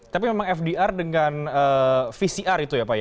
tapi memang fdr dengan vcr itu ya pak ya